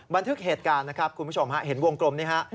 บันทึกเหตุการณ์นะครับคุณผู้ชมฮะเห็นวงกลมนี้ฮะ